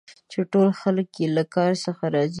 چي ټول خلک یې له کار څخه راضي وه.